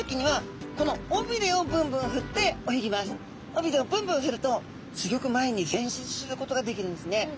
尾びれをブンブンふるとすギョく前に前進することができるんですね。